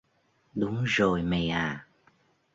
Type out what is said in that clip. Đúng rồi mày à